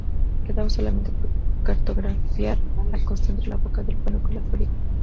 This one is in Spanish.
Quedaba solamente por cartografiar la costa entre la boca del Pánuco y la Florida.